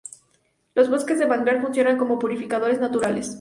Los bosques de manglar funcionan como "purificadores naturales".